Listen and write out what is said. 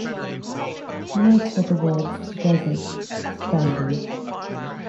Most of the world's deserts expanded.